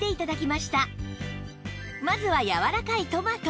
まずはやわらかいトマト